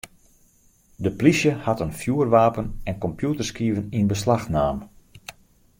De plysje hat in fjoerwapen en kompjûterskiven yn beslach naam.